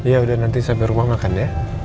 ya udah nanti saya berumah makan deh